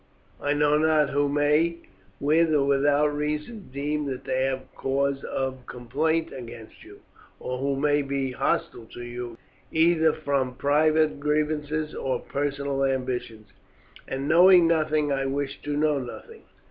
I know not who may, with or without reason, deem that they have cause of complaint against you, or who may be hostile to you either from private grievances or personal ambitions, and knowing nothing I wish to know nothing.